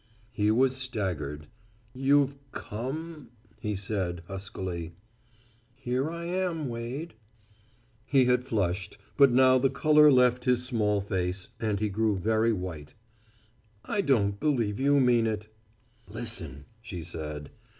He was staggered. "You've come " he said, huskily. "Here I am, Wade." He had flushed, but now the colour left his small face, and he grew very white. "I don't believe you mean it." "Listen," she said.